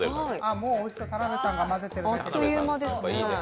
もうおいしそう、田辺さんが混ぜてるだけで。